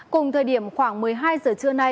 cùng thời điểm khoảng một mươi hai h trưa